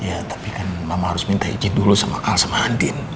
ya tapi kan mama harus minta izin dulu sama kang sama andin